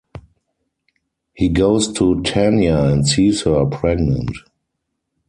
He goes to Tania and sees her pregnant.